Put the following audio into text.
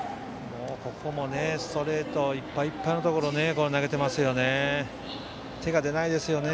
ここもストレートいっぱいいっぱいのところ投げていますよね。